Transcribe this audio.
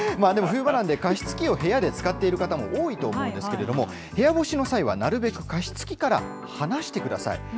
冬場なんで、加湿器を部屋で使っている方も多いと思うんですけれども、部屋干しの際は、なるべく加湿器から離してください。